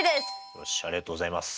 よっしゃありがとうございます。